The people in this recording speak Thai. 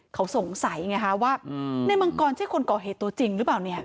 เขาสงสัยไงคะว่าในมังกรใช่คนก่อเหตุตัวจริงหรือเปล่าเนี่ย